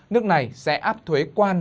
nước này sẽ áp thuế quan